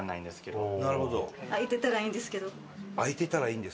開いてたらいいんですけど。